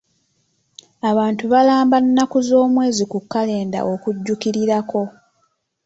Abantu balamba nnaku z'omwezi ku kalenda okujjukirirako.